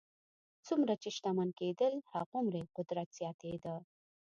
څومره چې شتمن کېدل هغومره یې قدرت زیاتېده.